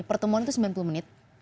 pertemuan itu sembilan puluh menit